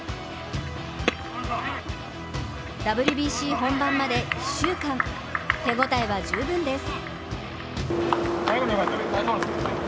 ＷＢＣ本番まで１週間、手応えは十分です。